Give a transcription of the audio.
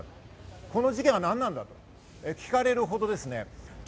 この事件は何だ？と聞かれるほどです。